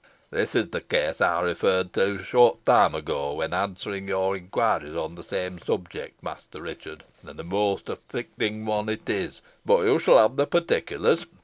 "This is the case I referred to a short time ago, when answering your inquiries on the same subject, Master Richard, and a most afflicting one it is. But you shall have the particulars.